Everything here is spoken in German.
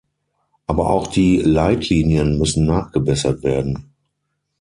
Aber auch die Leitlinien müssen nachgebessert werden.